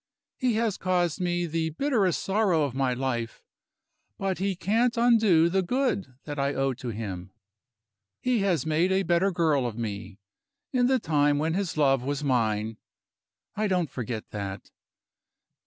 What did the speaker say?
He has caused me the bitterest sorrow of my life, but he can't undo the good that I owe to him. He has made a better girl of me, in the time when his love was mine. I don't forget that.